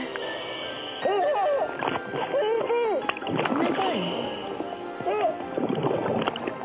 「冷たい」？